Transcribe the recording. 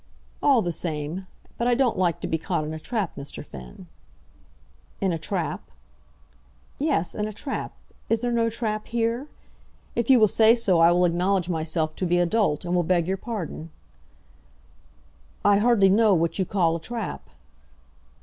"All the same, but I don't like to be caught in a trap, Mr. Finn." "In a trap?" "Yes; in a trap. Is there no trap here? If you will say so, I will acknowledge myself to be a dolt, and will beg your pardon." "I hardly know what you call a trap."